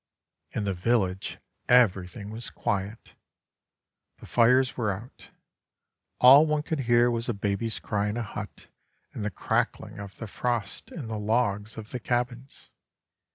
In the village everything was quiet ; the fires were out. All one could hear was a baby's cry in a hut and the crackling of the frost in the logs of the cabins.